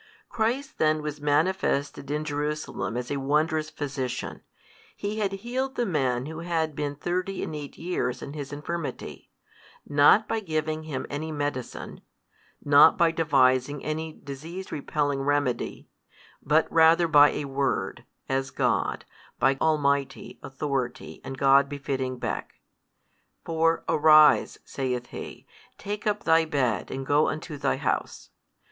Christ then was manifested in Jerusalem as a wondrous Physician. He had healed the man who had been thirty and eight years in his infirmity, not by giving him any medicine, not by devising any disease repelling remedy, but rather by a word, as God, by Almighty Authority and God befitting beck: for Arise (saith He) take up thy bed, and go unto thy house.